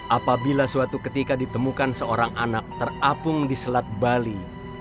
apabila suatu ketika ditemukan seorang anak terapung di selat bali